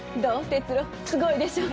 鉄郎すごいでしょ？